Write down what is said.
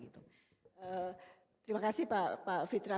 terima kasih pak fitra